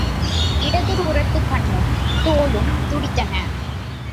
இடது புறத்துக் கண்ணும் தோளும் துடித்தன.